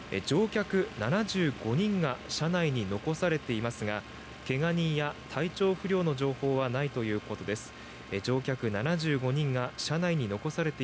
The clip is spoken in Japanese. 乗客７５人が車内に残されていますがけが人や体調不良の情報はないということです。